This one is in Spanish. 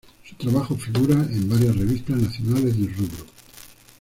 Su trabajo figura en varias revistas nacionales del rubro.